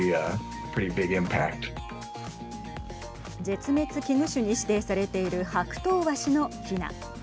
絶滅危惧種に指定されているハクトウワシのヒナ。